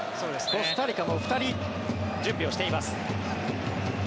コスタリカも２人準備をしています。